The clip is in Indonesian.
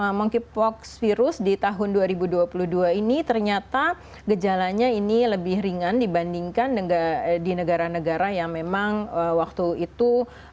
dan monkeypox virus di tahun dua ribu dua puluh dua ini ternyata gejalanya ini lebih ringan dibandingkan di negara negara yang memang waktu itu tidak ada